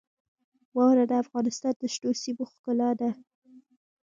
واوره د افغانستان د شنو سیمو ښکلا ده.